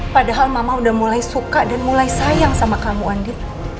padahal mama udah mulai suka dan mulai sayang sama kamu andi